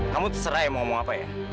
kamu terserah ya mau mau apa ya